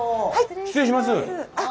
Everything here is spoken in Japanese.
失礼します。